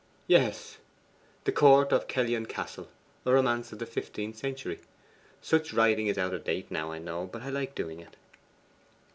'Yes; THE COURT OF KELLYON CASTLE; a romance of the fifteenth century. Such writing is out of date now, I know; but I like doing it.